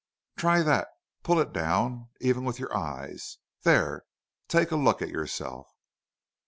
"Try that.... Pull it down even with your eyes. There! take a look at yourself."